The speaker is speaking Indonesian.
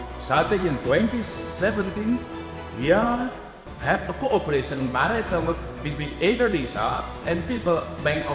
pada tahun dua ribu tujuh belas kita memiliki kooperasi antara indonesia dan bank tiongkok